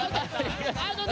あのね